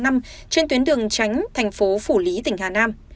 trên tuyến đường tránh thành phố phủ lý tỉnh hà nam